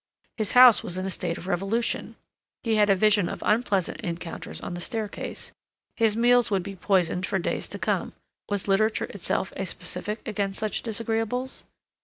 His house was in a state of revolution; he had a vision of unpleasant encounters on the staircase; his meals would be poisoned for days to come; was literature itself a specific against such disagreeables?